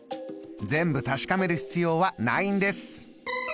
全部確かめる必要はないんです。